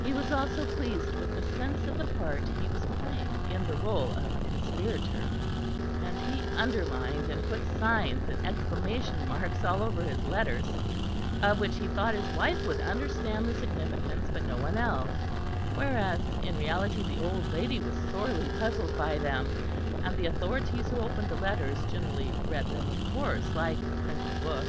He was also pleased with a sense of the part he was playing in the rôle of a conspirator; and he underlined and put signs and exclamation marks all over his letters of which he thought his wife would understand the significance, but no one else; whereas in reality the old lady was sorely puzzled by them, and the authorities who opened the letters generally read them of course like a printed book.